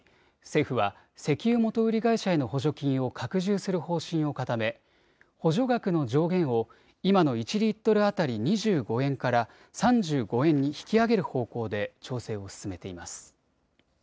政府は石油元売り会社への補助金を拡充する方針を固め補助額の上限を今の１リットル当たり２５円から３５円に引き上げる方向で調整を進めています。